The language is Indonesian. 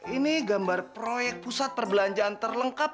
ini gambar proyek pusat perbelanjaan terlengkap